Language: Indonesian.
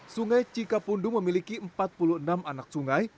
sungai cikapundung memiliki empat puluh enam anak sungai